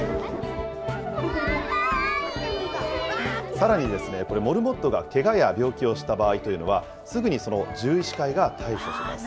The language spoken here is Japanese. さらにこれ、モルモットがけがや病気をした場合というのは、すぐに獣医師会が対処します。